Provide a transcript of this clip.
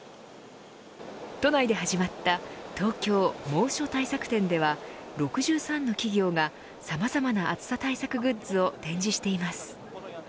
都内で始まった東京猛暑対策展では６３の企業がさまざまな暑さ対策グッズを展示しています。